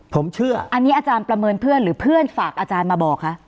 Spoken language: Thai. ผมเชื่ออันนี้อาจารย์ประเมินเพื่อนหรือเพื่อนฝากอาจารย์มาบอกคะ